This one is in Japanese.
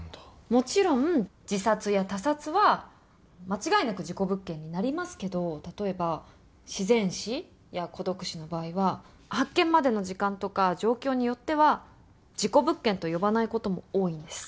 もちろん自殺や他殺は間違いなく事故物件になりますけど例えば自然死や孤独死の場合は発見までの時間とか状況によっては事故物件と呼ばないことも多いんです。